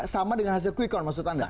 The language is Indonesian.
sama dengan hasil quick count maksud anda